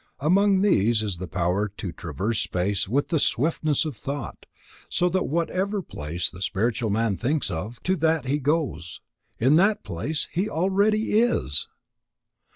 Among these is the power to traverse space with the swiftness of thought, so that whatever place the spiritual man thinks of, to that he goes, in that place he already is.